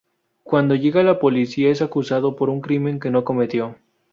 Cuando llega la policía es acusado por un crimen que no cometió.